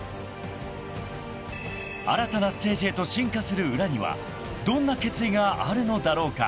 ［新たなステージへと進化する裏にはどんな決意があるのだろうか］